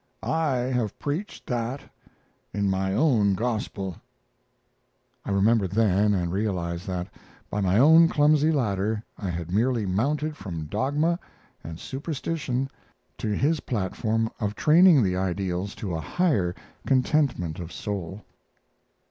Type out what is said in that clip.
I have preached that in my own Gospel." I remembered then, and realized that, by my own clumsy ladder, I had merely mounted from dogma, and superstition to his platform of training the ideals to a higher contentment of soul.